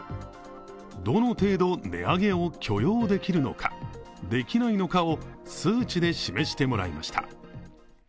どの程度、値上げを許容できるのかできないのかを数値で示してもらいました。